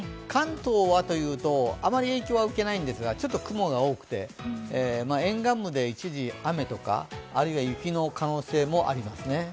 関東はというとあまり影響は受けないんですが、ちょっと雲が多くて沿岸部で一時雨とか、あるいは雪の可能性もありますね。